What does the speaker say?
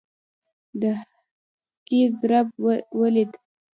د سکې ضرب ودرېد.